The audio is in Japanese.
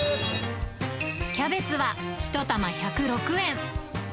キャベツは１玉１０６円。